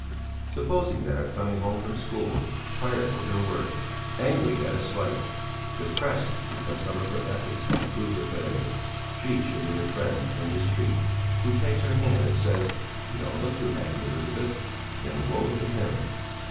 Supposing that on coming home from school, tired with her work, angry at a slight, depressed because some of her efforts have proved a failure, she should meet a friend in the street who takes her hand and says: "You don't look too happy, Elizabeth," then woe to him!